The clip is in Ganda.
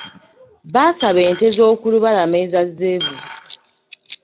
Baasaba ente z'oku lubalama eza zebu.